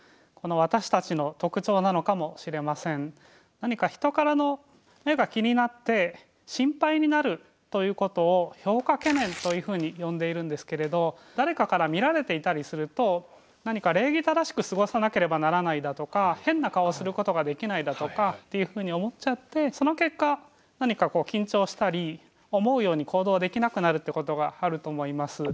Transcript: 何か人からの目が気になって心配になるということを評価懸念というふうに呼んでいるんですけれど誰かから見られていたりすると何か礼儀正しく過ごさなければならないだとか変な顔をすることができないだとかというふうに思っちゃってその結果何か緊張したり思うように行動ができなくなるってことがあると思います。